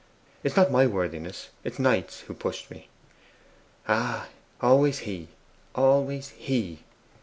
'It is not my worthiness; it is Knight's, who pushed me.' 'Ah, always he always he!